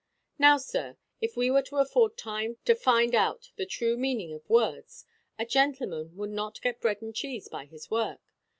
Now, sir, if we were to afford time to find out the true meaning of words, a gentleman would not get bread and cheese by his work.